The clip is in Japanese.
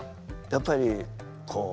やっぱりこう。